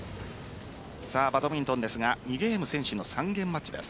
バドミントンですが２ゲーム先取の３ゲームマッチです。